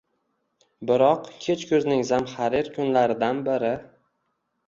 Biroq kech kuzning zamharir kunlaridan biri.